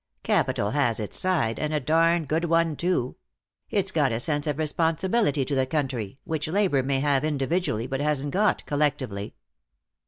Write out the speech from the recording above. "Capital has its side, and a darned good one, too. It's got a sense of responsibility to the country, which labor may have individually but hasn't got collectively."